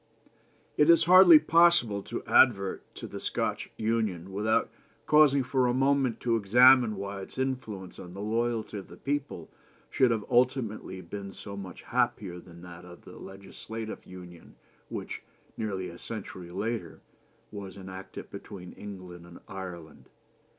"It is hardly possible to advert to the Scotch Union, without pausing for a moment to examine why its influence on the loyalty of the people should have ultimately been so much happier than that of the legislative union which, nearly a century later, was enacted between England and Ireland.